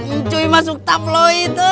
inculin masuk tablet itu